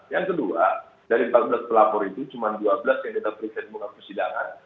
yang kedua dari empat belas pelapor itu cuma dua belas yang kita periksa di persidangan